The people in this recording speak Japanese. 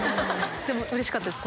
でもうれしかったです